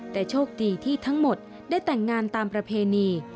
แต่โชคดีที่ทั้งหมดได้แต่งงานตามประเพณี